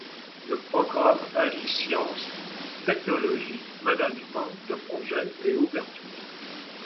Le programme allie sciences, technologies, management de projets et ouverture.